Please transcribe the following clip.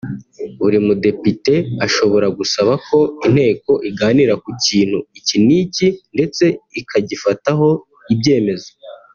Buri mudepite ashobora gusaba ko inteko iganira ku kintu iki n’iki ndetse ikagifataho ibyemezo